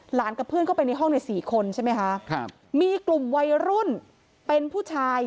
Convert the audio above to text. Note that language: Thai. กับเพื่อนเข้าไปในห้องในสี่คนใช่ไหมคะครับมีกลุ่มวัยรุ่นเป็นผู้ชาย